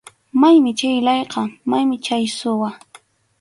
Maymi chay layqa, maymi chay suwa.